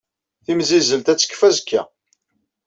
Timzizzelt ad tekfu azekka